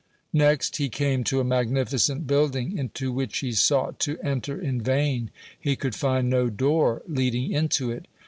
Next he came to a magnificent building, into which he sought to enter in vain; he could find no door leading into it.